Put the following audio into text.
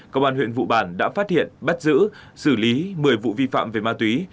công an huyện vụ bản đã phát hiện bắt giữ xử lý một mươi vụ vi phạm về ma túy